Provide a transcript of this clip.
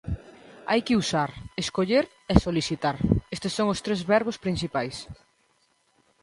Hai que usar, escoller e solicitar, estes son os tres verbos principais.